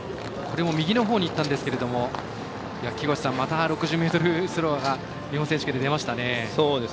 右のほうにいったんですが木越さん、また６０ｍスローが日本選手権で出ましたね。